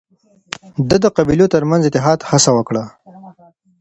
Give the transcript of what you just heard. ده د قبيلو ترمنځ اتحاد هڅه وکړ